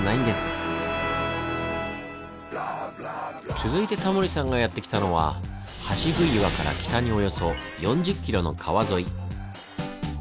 続いてタモリさんがやって来たのは橋杭岩から北におよそ４０ｋｍの川沿い。